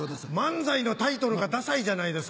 漫才のタイトルがダサいじゃないですか。